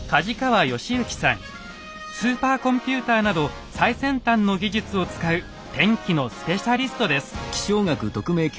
スーパーコンピューターなど最先端の技術を使う天気のスペシャリストです。